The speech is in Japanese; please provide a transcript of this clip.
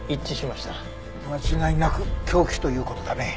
間違いなく凶器という事だね。